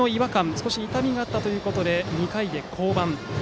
少し痛みがあったということで２回で降板。